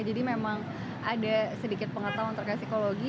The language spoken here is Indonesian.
jadi memang ada sedikit pengetahuan terkait psikologi